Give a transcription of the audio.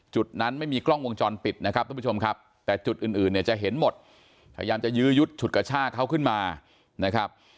จุดนั้นไม่มีกล้องวงจรปิดนะครับทุกผู้ชมครับแต่จุดอื่นเนี่ยจะเห็นหมดพยายามจะยื้อยุดฉุดกระชากเขาขึ้นมานะครับ